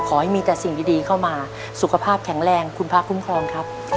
ขอให้มีแต่สิ่งดีเข้ามาสุขภาพแข็งแรงคุณพระคุ้มครองครับ